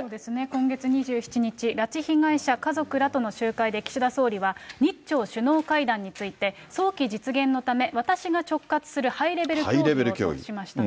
今月２７日、拉致被害者家族らとの集会で、岸田総理は日朝首脳会談について、早期実現のため、私が直轄するハイレベル協議をするとしましたね。